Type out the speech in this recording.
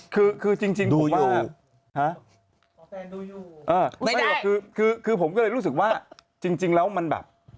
คือจริงผมว่าดูอยู่ห้ะไม่ได้คือผมก็เลยรู้สึกว่าจริงแล้วมันแบบ